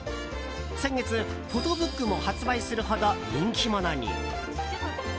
先月、フォトブックも発売するほど人気者に。